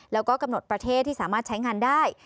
แล้วก็กำหนดประเทศที่สามารถใช้งานได้